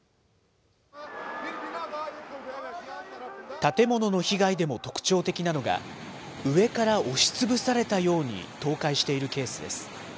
建物の被害でも特徴的なのが、上から押しつぶされたように倒壊しているケースです。